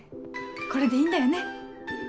これでいいんだよね。